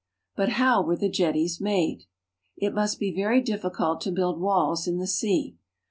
But how were the jetties made? It must be very difficult to build walls in the sea.